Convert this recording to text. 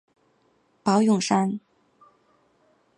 宝永山。